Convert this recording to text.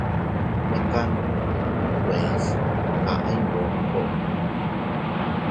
Mekan nkuees kaʼa iyngoo koʼko.